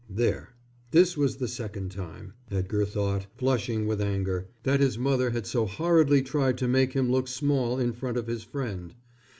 There, this was the second time, Edgar thought, flushing with anger, that his mother had so horridly tried to make him look small in front of his friend.